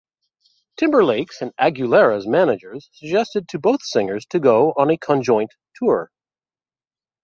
Timberlake's and Aguilera's managers suggested to both singers to go on a conjoint tour.